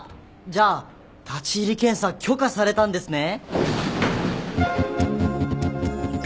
じゃあ立入検査許可されたんですね！